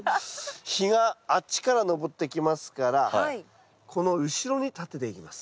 日があっちから昇ってきますからこの後ろに立てていきます。